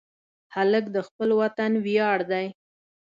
هلک د خپل وطن ویاړ دی.